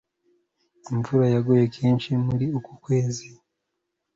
imvura yaraguye kenshi cyane muri uku kwezi